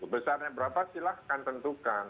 besarnya berapa silahkan tentukan